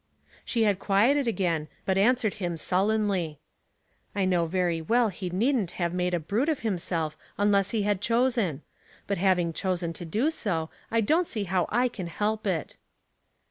" She had quieted again, but answered him sul lenly,— " I know very well he needn't have made a brute of himself unless he had chosen ; but having chosen to do so, I don't see how I can help it."